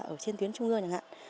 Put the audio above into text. ở trên tuyến trung ương chẳng hạn